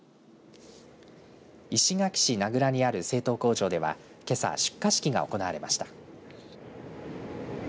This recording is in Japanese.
石垣市名蔵にある製糖工場では、けさ出荷式が行われました。